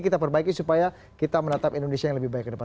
kita perbaiki supaya kita menetap indonesia yang lebih baik ke depan